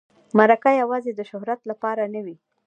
مرکه یوازې د شهرت لپاره نه وي.